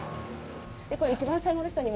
一番最後の人に。